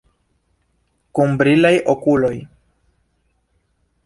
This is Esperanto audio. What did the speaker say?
Kun brilaj okuloj!